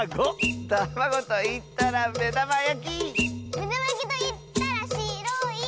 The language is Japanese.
「めだまやきといったらしろい！」